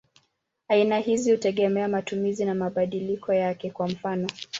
Aina hizi hutegemea matumizi na mabadiliko yake; kwa mfano.